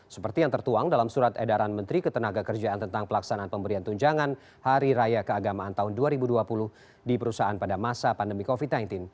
seperti yang tertuang dalam surat edaran menteri ketenaga kerjaan tentang pelaksanaan pemberian tunjangan hari raya keagamaan tahun dua ribu dua puluh di perusahaan pada masa pandemi covid sembilan belas